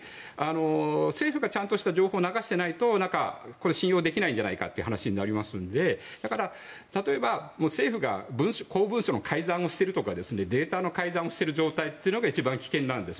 政府がちゃんとした情報を流していないと信用できないんじゃないかって話になりますのでだから例えば、政府が公文書の改ざんをしているとかデータの改ざんをしている状態が一番危険なんですよ。